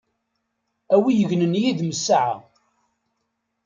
A wi yegnen yid-m saɛa!